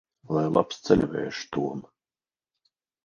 Lai labs ceļavējš, Tom!